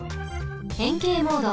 へんけいモード。